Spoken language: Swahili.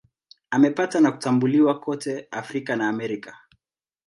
Amepata kutambuliwa kote Afrika na Amerika.